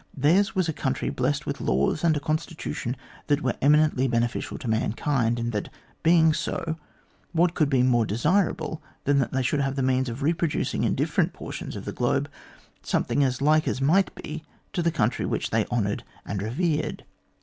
Theirs was a country blessed with laws and a constitution that were eminently beneficial to mankind, and that being so, what could be more desirable than that they should have the means of reproducing in different portions of the globe something as like as might be to the country which they honoured and revered.